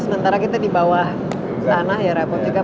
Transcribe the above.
sementara kita di bawah tanah ya repot juga